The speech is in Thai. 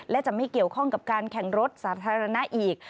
และจะไม่เกี่ยวข้องกับการแข่งรถสาธารณะอีก